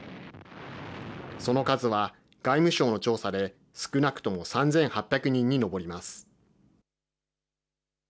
その数は外務省の調査で、少なくとも３８００人に上ります。